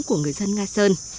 của người dân nga sơn